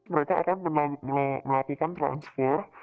mereka akan melakukan transfer